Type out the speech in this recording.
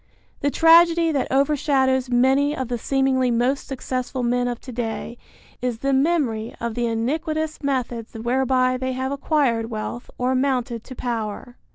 The tragedy that overshadows many of the seemingly most successful men of to day is the memory of the iniquitous methods whereby they have acquired wealth or mounted to power.